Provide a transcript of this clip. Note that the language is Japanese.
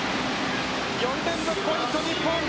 ４連続ポイント、日本。